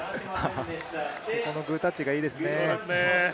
このグータッチがいいですね。